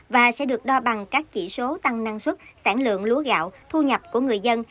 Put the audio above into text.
và sẽ được đo bằng các chỉ số tăng năng suất sản lượng lúa gạo thu nhập của người dân